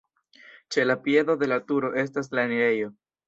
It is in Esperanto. Ĉe la piedo de la turo estas la enirejo.